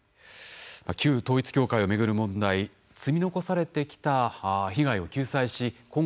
旧統一教会をめぐる問題積み残されてきた被害を救済し今後